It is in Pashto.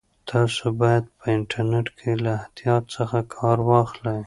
تاسو باید په انټرنیټ کې له احتیاط څخه کار واخلئ.